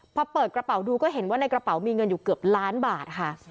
พอเปิดกระเป๋าดูก็เห็นว่าในกระเป๋ามีเงินอยู่เกือบล้านบาทค่ะ